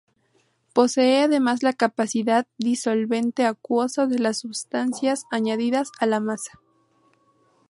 Posee además la capacidad disolvente acuoso de las substancias añadidas a la masa.